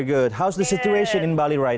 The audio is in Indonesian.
baik baik bagaimana situasi di bali sekarang